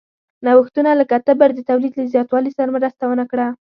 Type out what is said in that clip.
نوښتونه لکه تبر د تولید له زیاتوالي سره مرسته ونه کړه.